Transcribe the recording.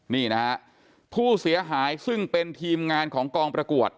นี่นะฮะผู้เสียหายซึ่งเป็นทีมงานของกองประกวด